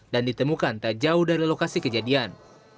dan ditemukan tak jauh dari lokasi kejadian